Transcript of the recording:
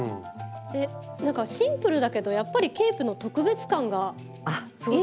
なんかシンプルだけどやっぱりケープの特別感がいいですね。